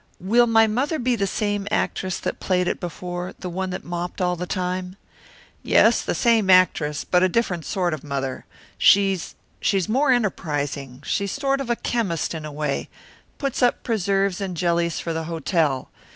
"Will my mother be the same actress that played it before, the one that mopped all the time?" "Yes, the same actress, but a different sort of mother. She she's more enterprising; she's a sort of chemist, in a way; puts up preserves and jellies for the hotel.